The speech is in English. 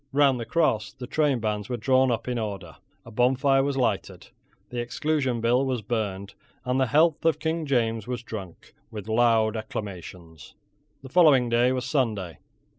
Round the Cross the trainbands were drawn up in order: a bonfire was lighted: the Exclusion Bill was burned: and the health of King James was drunk with loud acclamations. The following day was Sunday.